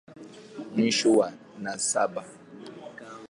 Mwisho wa nasaba.